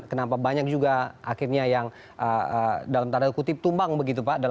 kenapa banyak juga akhirnya yang dalam tanda kutip tumbang begitu pak